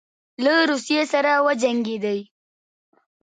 له روسیې سره وجنګېدی.